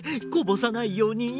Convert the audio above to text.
こぼさないように。